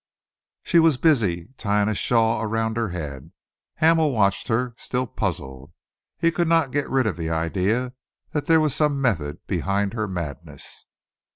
She was busy tying a shawl around her head. Hamel watched her, still puzzled. He could not get rid of the idea that there was some method behind her madness.